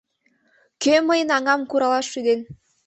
— Кӧ мыйын аҥам куралаш шӱден?